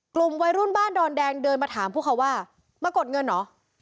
กลุ่มวัยรุ่นบ้านดอนแดงเดินมาถามพวกเขาว่ามากดเงินเหรอ